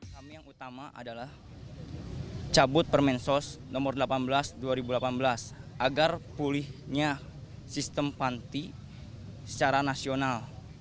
kami yang utama adalah cabut permensos nomor delapan belas dua ribu delapan belas agar pulihnya sistem panti secara nasional